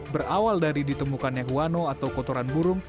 berawal dari ditemukannya huano atau kotoran burung